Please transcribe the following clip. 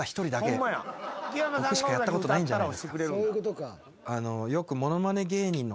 僕しかやったことないんじゃないですか。